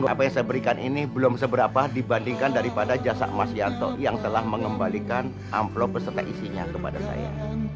apa yang saya berikan ini belum seberapa dibandingkan daripada jasa mas yanto yang telah mengembalikan amplop beserta isinya kepada saya